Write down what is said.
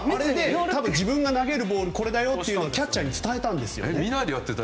多分自分が投げるボールこれだよってキャッチャーに教えてたんです。